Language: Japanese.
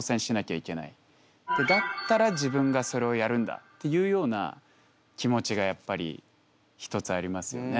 だったら自分がそれをやるんだっていうような気持ちがやっぱり一つありますよね。